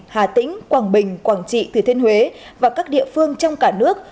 hà tĩnh quảng bình quảng trị thừa thiên huế và các địa phương trong cả nước